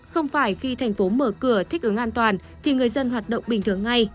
không phải khi thành phố mở cửa thích ứng an toàn thì người dân hoạt động bình thường ngay